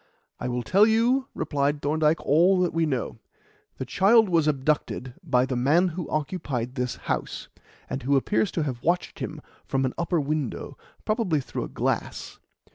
"I will tell you." replied Thorndyke, "all that we know. The child was abducted by the man who occupied this house, and who appears to have watched him from an upper window, probably through a glass.